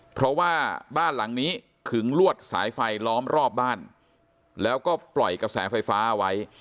เพราะว่าบ้านหลังนี้ขึงลวดสายไฟล้อมรอบบ้านแล้วก็ปล่อยกระแสไฟฟ้าเอาไว้